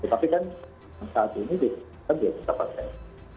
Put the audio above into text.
tapi kan saat ini dikabir kita pasang